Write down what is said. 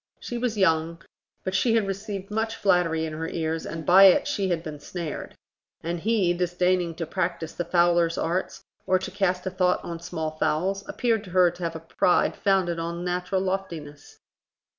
She was young, but she had received much flattery in her ears, and by it she had been snared; and he, disdaining to practise the fowler's arts or to cast a thought on small fowls, appeared to her to have a pride founded on natural loftiness.